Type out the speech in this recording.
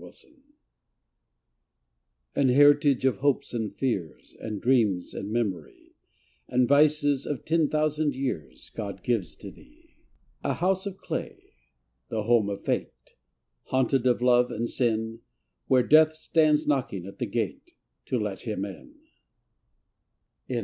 THE SOUL An heritage of hopes and fears And dreams and memory, And vices of ten thousand years God gives to thee. A house of clay, the home of Fate, Haunted of Love and Sin, Where Death stands knocking at the gate To let him in.